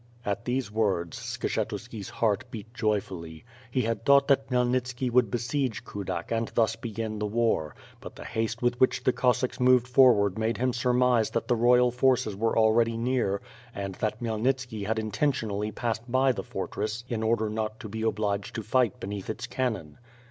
At these words, Skshetuski's heart beat joyfully. He had thought that Khmyelnitski would besiege Kudak and thus begin the war; but the ha^te witn which the Cossacks moved forward made him surmise that the royal forces were already near and that Khymelnitski had intentionally passed by the fortress, in order not to be obliged to fight beneath its cannon.